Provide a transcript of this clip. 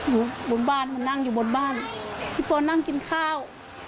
อยู่บนบ้านมานั่งอยู่บนบ้านพี่ปอนั่งกินข้าว